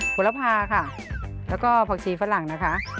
ผลพาค่ะแล้วก็ผักชีฝรั่งนะคะ